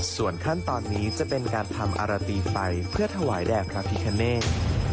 ส่วนขั้นตอนนี้จะเป็นการทำอารตีไฟเพื่อถวายแด่พระพิคเนต